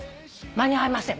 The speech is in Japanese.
間に合いません。